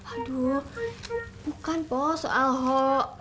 aduh bukan po soal ho